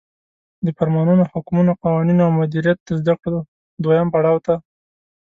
د فرمانونو، حکمونو، قوانینو او مدیریت د زدکړو دویم پړاو ته